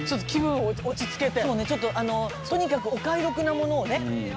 ちょっとあのとにかくお買い得なものをね。